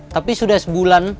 tapi sudah sebulan